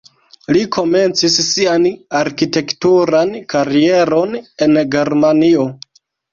Li komencis sian arkitekturan karieron en Germanio.